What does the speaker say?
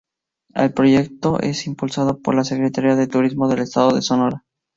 El proyecto es impulsado por la Secretaría de Turismo del estado de Sonora.